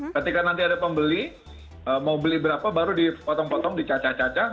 ketika nanti ada pembeli mau beli berapa baru dipotong potong dicacah cacah